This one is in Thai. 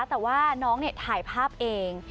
แต่ว่าน้องถ่ายภาพเอง